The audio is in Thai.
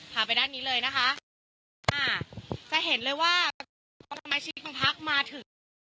พาไปด้านนี้เลยนะคะจะเห็นเลยว่าพักมาถึง